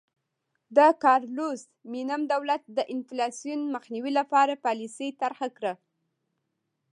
د کارلوس مینم دولت د انفلاسیون مخنیوي لپاره پالیسي طرحه کړه.